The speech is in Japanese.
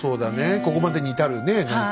ここまでに至るね何かね。